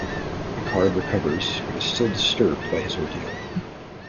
Picard recovers, but is still disturbed by his ordeal.